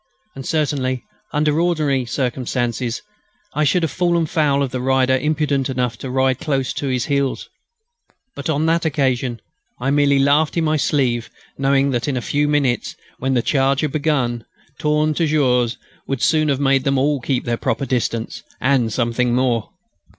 And certainly, under ordinary circumstances, I should have fallen foul of the rider imprudent enough to ride close to his heels. But on that occasion I merely laughed in my sleeve, knowing that in a few minutes, when the charge had begun, "Tourne Toujours" would soon have made them all keep their proper distance, and something more.